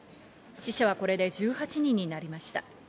死者はこれで１８人になりました。